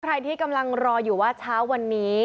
ใครที่กำลังรออยู่ว่าเช้าวันนี้